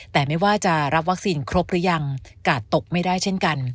แต่ไม่ว่าจะรับวัคซีนครบหรือยังกาดตกไม่ได้เช่นกัน